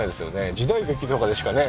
時代劇とかでしかね